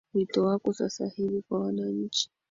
wito wako sasa hivi kwa wananchi